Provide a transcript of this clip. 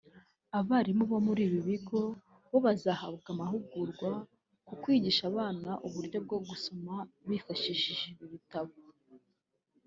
Abarimu bo muri ibi bigo bo bazahabwa amahugurwa ku kwigisha abana uburyo bwo gusoma bifashishije ibi bitabo